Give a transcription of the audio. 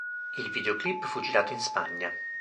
Il videoclip fu girato in Spagna.